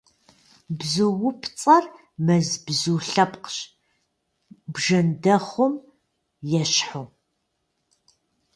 Бзуупцӏэр мэз бзу лъэпкъщ, бжэндэхъум ещхьу.